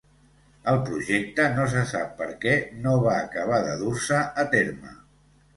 El projecte no se sap perquè no va acabar de dur-se a terme.